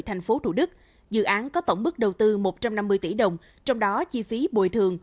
thành phố thủ đức dự án có tổng mức đầu tư một trăm năm mươi tỷ đồng trong đó chi phí bồi thường